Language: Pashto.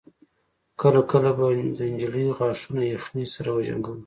کله کله به د نجلۍ غاښونه يخنۍ سره وجنګول.